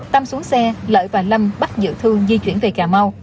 tâm xuống xe lợi và lâm bắt giữ thương di chuyển về cà mau